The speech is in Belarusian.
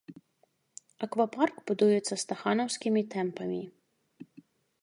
Аквапарк будуецца стаханаўскімі тэмпамі.